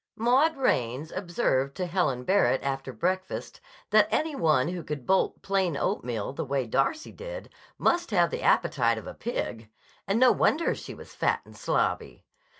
Maud Raines observed to Helen Barrett after breakfast that any one who could bolt plain oatmeal the way Darcy did must have the appetite of a pig, and no wonder she was fat and slobby.